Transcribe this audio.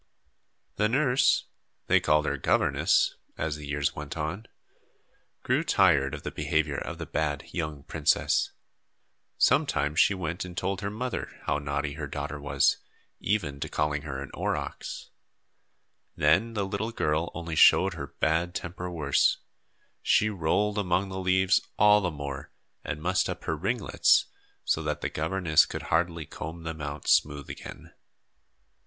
The nurse they called her "governess," as the years went on grew tired of the behavior of the bad young princess. Sometimes she went and told her mother how naughty her daughter was, even to calling her an aurochs. Then the little girl only showed her bad temper worse. She rolled among the leaves all the more and mussed up her ringlets, so that the governess could hardly comb them out smooth again.